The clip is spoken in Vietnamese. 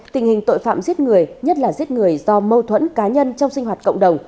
tình hình tội phạm giết người nhất là giết người do mâu thuẫn cá nhân trong sinh hoạt cộng đồng